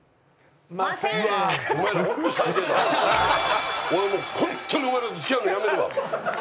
俺もうホントにお前らと付き合うのやめるわ！